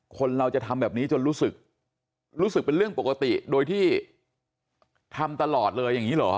คนเราจะทำแบบนี้จนรู้สึกรู้สึกเป็นเรื่องปกติโดยที่ทำตลอดเลยอย่างนี้เหรอ